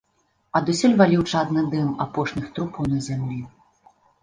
Адусюль валіў чадны дым апошніх трупаў на зямлі.